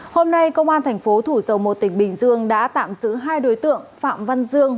hôm nay công an thành phố thủ dầu một tỉnh bình dương đã tạm giữ hai đối tượng phạm văn dương